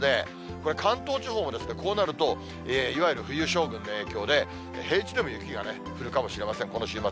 これ、関東地方もこうなると、いわゆる冬将軍の影響で、平地でも雪が降るかもしれません、この週末。